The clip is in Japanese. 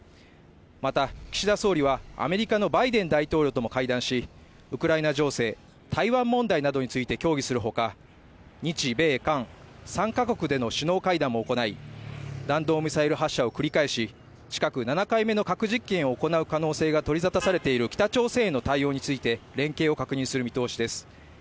また、岸田総理はアメリカのバイデン大統領とも会談しウクライナ情勢、台湾問題などについて協議するほか日米韓３か国での首脳会談も行い、弾道ミサイル発射を繰り返し近く７回目の核実験を行う可能性が取り沙汰されている北朝鮮への対応について連携を確認する見通しです。